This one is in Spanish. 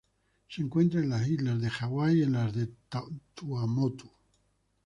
Se encuentran en las Islas Hawaii y en las Tuamotu.